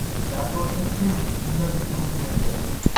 যার প্রত্যেকটির ভিন্ন দৃষ্টিভঙ্গি রয়েছে।